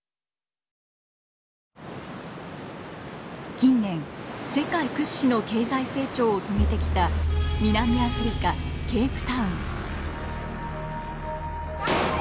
近年世界屈指の経済成長を遂げてきた南アフリカ・ケープタウン。